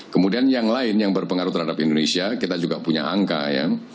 kemudian yang lain yang berpengaruh terhadap indonesia kita juga punya angka ya